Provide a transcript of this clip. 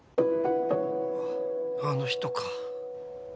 あの人か。